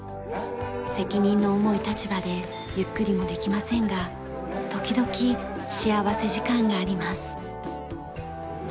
責任の重い立場でゆっくりもできませんが時々幸福時間があります。